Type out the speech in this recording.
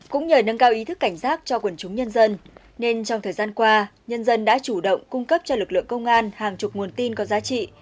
cũng nhờ nâng cao ý thức cảnh giác cho quần chúng nhân dân nên trong thời gian qua nhân dân đã chủ động cung cấp cho lực lượng công an hàng chục nguồn tin có giá trị